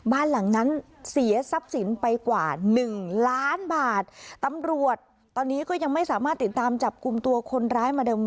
บ้านหลังนั้นเสียทรัพย์สินไปกว่าหนึ่งล้านบาทตำรวจตอนนี้ก็ยังไม่สามารถติดตามจับกลุ่มตัวคนร้ายมาเดิม